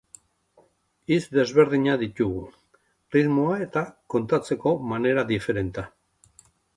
Hitz desberdinak ditugu, ritmoa eta kondatzeko manera diferenta.